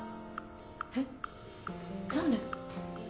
えっ何で？